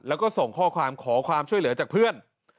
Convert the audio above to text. แล้วก็ส่งข้อความขอความช่วยเหลือจากเพื่อน